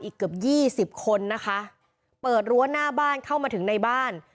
เกือบยี่สิบคนนะคะเปิดรั้วหน้าบ้านเข้ามาถึงในบ้าน